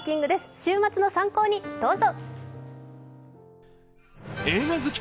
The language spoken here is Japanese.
週末の参考にどうぞ。